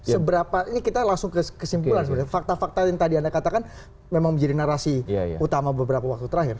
seberapa ini kita langsung ke kesimpulan sebenarnya fakta fakta yang tadi anda katakan memang menjadi narasi utama beberapa waktu terakhir